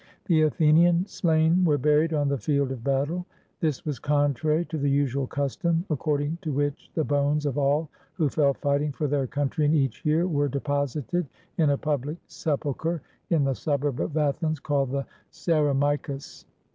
The Athenian slain were buried on the field of battle. This was contrary to the usual custom, accord ing to which the bones of all who fell fighting for their country in^'each year were deposited in a public sepul cher in the suburb of Athens called the Cerameicus.